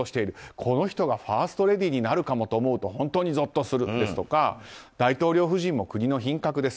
この人がファーストレディーになるかもと考えると本当にゾッとするですとか大統領夫人も国の品格です。